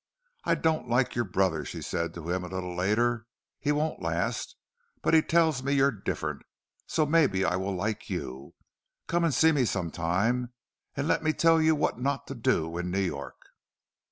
"I don't like your brother," she said to him, a little later. "He won't last; but he tells me you're different, so maybe I will like you. Come and see me sometime, and let me tell you what not to do in New York."